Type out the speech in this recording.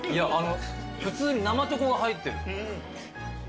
普通に生チョコが入ってる。